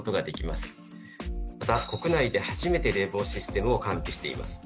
また国内で初めて冷房システムを完備しています